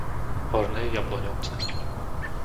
Horné Jabloňovce